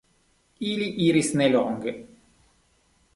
Ili iris nelonge.